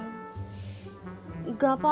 terus sekarang udah di jalan